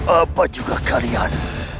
apa juga kalian